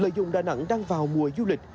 lợi dụng đà nẵng đang vào mùa du lịch